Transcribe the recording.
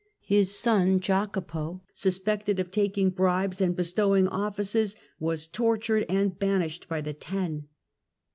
His son Jacopo, suspected of taking bribes and bestowing offices, was tortured and banished by the Ten.